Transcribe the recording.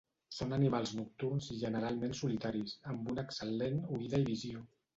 Són animals nocturns i generalment solitaris, amb una excel·lent oïda i visió.